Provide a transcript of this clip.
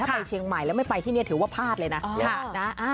ไปเชียงใหม่แล้วไม่ไปที่นี่ถือว่าพลาดเลยนะ